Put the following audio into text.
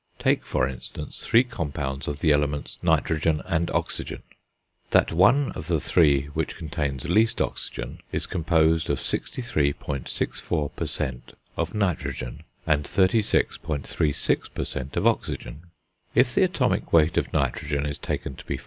Take, for instance, three compounds of the elements nitrogen and oxygen. That one of the three which contains least oxygen is composed of 63.64 per cent. of nitrogen, and 36.36 per cent. of oxygen; if the atomic weight of nitrogen is taken to be 4.